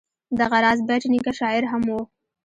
دغه راز بېټ نیکه شاعر هم و.